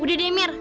udah deh mir